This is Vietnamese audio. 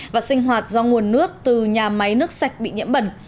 và sinh hoạt do nguồn nước từ nhà máy nước sạch bị nhiễm bẩn